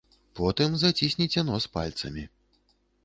Потым зацісніце нос пальцамі.